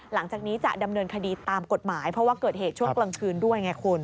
หลังจากนี้จะดำเนินคดีตามกฎหมายเพราะว่าเกิดเหตุช่วงกลางคืนด้วยไงคุณ